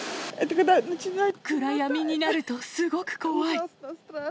暗闇になるとすごく怖い。